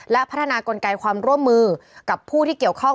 และพัฒนากลไกความร่วมมือกับผู้ที่เกี่ยวข้อง